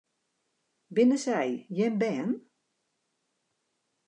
Binne sy jim bern?